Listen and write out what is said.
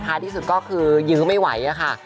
ท้ายที่สุดก็คือยื้อไม่ไหวนะคะ